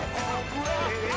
えっ！